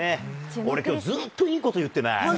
俺、きょう、ずっといいこと言ってない？